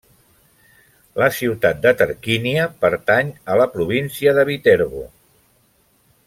La ciutat de Tarquínia pertany a la província de Viterbo.